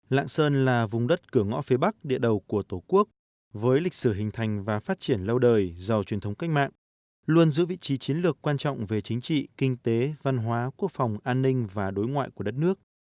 lạng sơn là vùng đất cửa ngõ phía bắc địa đầu của tổ quốc với lịch sử hình thành và phát triển lâu đời giàu truyền thống cách mạng luôn giữ vị trí chiến lược quan trọng về chính trị kinh tế văn hóa quốc phòng an ninh và đối ngoại của đất nước